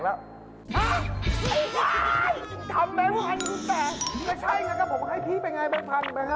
ก็ใช่อย่างนั้นกับผมให้พี่เป็นอย่างไรแบงค์พันธุ์